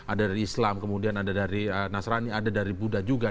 ada dari islam kemudian ada dari nasrani ada dari buddha juga